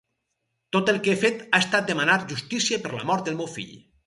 Tot el que he fet ha estat demanar justícia per la mort del meu fill.